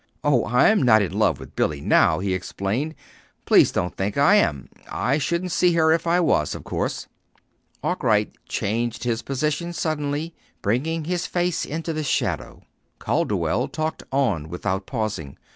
"Oh, I'm not in love with Billy, now," he explained. "Please don't think I am. I shouldn't see her if I was, of course." Arkwright changed his position suddenly, bringing his face into the shadow. Calderwell talked on without pausing.